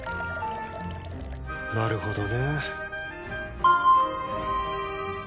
なるほどね。